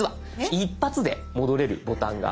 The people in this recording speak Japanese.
一発で戻れるボタンがあります。